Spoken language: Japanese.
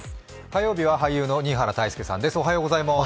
火曜日は俳優の新原泰佑さんです。